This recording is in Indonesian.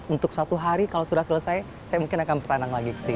untuk satu hari kalau sudah selesai saya mungkin akan bertandang lagi ke sini